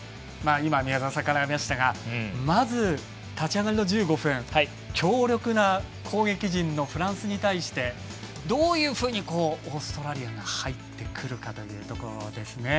宮澤さんからありましたがまず立ち上がりの１５分強力な攻撃陣のフランスに対してどういうふうにオーストラリアが入ってくるかというところですね。